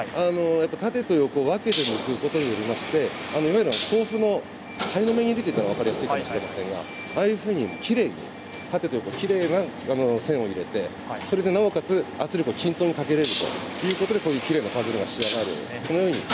縦と横を分けることによりましていわゆる豆腐のさいの目切りと言ったら分かりやすいと思うんですがああいうふうにきれいに縦と横をきれいな線を入れてなおかつ圧力を均等にかけることができるということで、こういうきれいなパズルに仕上がるんです。